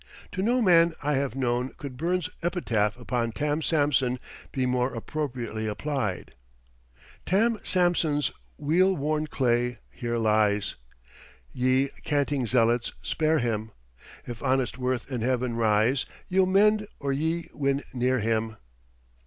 To no man I have known could Burns's epitaph upon Tam Samson be more appropriately applied: "Tam Samson's weel worn clay here lies: Ye canting zealots, spare him! If honest worth in heaven rise, Ye'll mend or ye win near him."